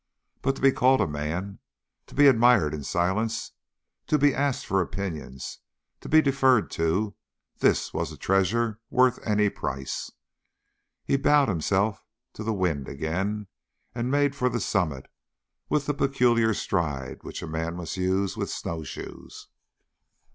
But to be called a man, to be admired in silence, to be asked for opinions, to be deferred to this was a treasure worth any price! He bowed himself to the wind again and made for the summit with the peculiar stride which a man must use with snowshoes.